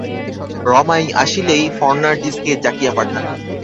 রমাই আসিলেই ফর্নান্ডিজকে ডাকিয়া পাঠান।